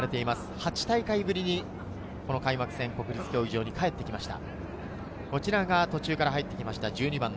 ８大会ぶりにこの開幕戦、この国立競技場に帰ってきました。